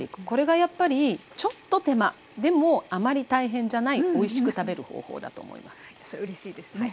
これがやっぱりちょっと手間でもあまり大変じゃないおいしく食べる方法だと思います。